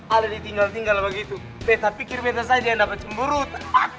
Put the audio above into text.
aldi tinggal tinggal begitu betah pikir pikir saja yang dapat cemburut